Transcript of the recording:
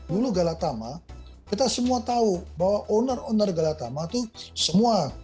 dulu galatama kita semua tahu bahwa owner owner galatama itu semua